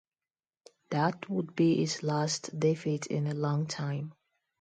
That would be his last defeat in a long time.